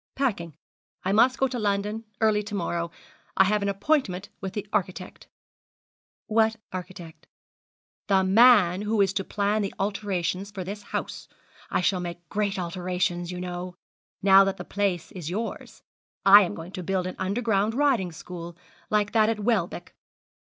'Packing. I must go to London early to morrow. I have an appointment with the architect.' 'What architect?' 'The man who is to plan the alterations for this house. I shall make great alterations, you know, now that the place is yours. I am going to build an underground riding school, like that at Welbeck.'